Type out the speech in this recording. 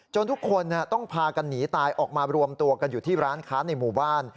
ทุกคนต้องพากันหนีตายออกมารวมตัวกันอยู่ที่ร้านค้าในหมู่บ้าน